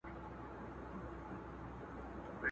جهاني ما دي د خوبونو تعبیرونه کړي!!